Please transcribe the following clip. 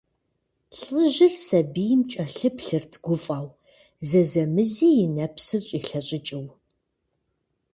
ЛӀыжьыр сабийм кӀэлъыплъырт гуфӀэу, зэзэмызи и нэпсыр щӀилъэщӀыкӀыу.